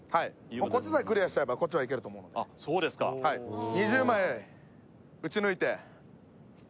こっちさえクリアしちゃえばこっちはいけると思うのであそうですかはいすいません！